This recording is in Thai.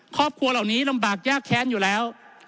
ครอบครัวเหล่านี้ลำบากยากแค้นอยู่แล้ว